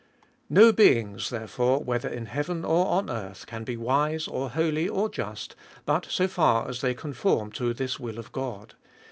No beings, therefore, whether in hea ven or on earth, can be wise, or holy, or just, but so far as they conform to this will of God.